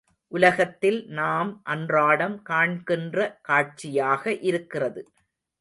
உலகத்தில் நாம் அன்றாடம் காண்கின்ற காட்சியாக இருக்கிறது.